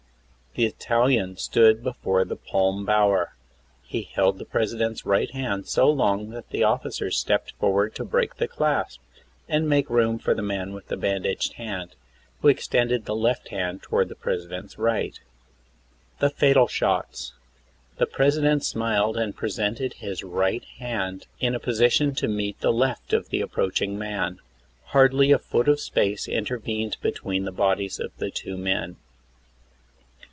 The Italian stood before the palm bower. He held the President's right hand so long that the officers stepped forward to break the clasp, and make room for the man wath the bandaged hand, wdio extended the lefi hand towards the President's right. THE FATAL SHOTS. The President smiled and presented his right hand in a position to meet the left of the approaching man. Hardly a foot of space intervened between the bodies of the two men.